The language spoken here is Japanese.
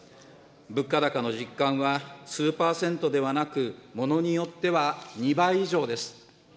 物価高の実感は数％ではなく、物によっては２倍以上です。